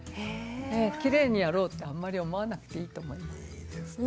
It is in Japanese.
きれいにやろうってあんまり思わなくていいと思います。